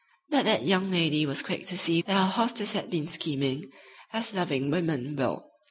But that young lady was quick to see that her hostess had been scheming, as loving women will.